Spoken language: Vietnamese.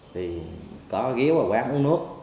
thì có ghé vào quán uống nước